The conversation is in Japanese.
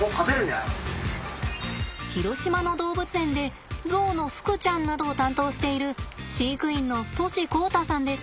広島の動物園でゾウのふくちゃんなどを担当している飼育員の杜師弘太さんです。